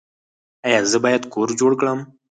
ایا زه باید کور جوړ کړم؟